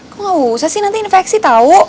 kok gak usah sih nanti infeksi tahu